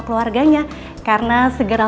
keluarganya karena segera